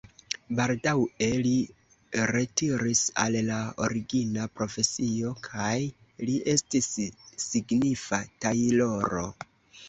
Baldaŭe li retiris al la origina profesio kaj li estis signifa tajloro.